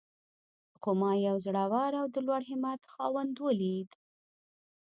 خو ما يو زړور او د لوړ همت خاوند وليد.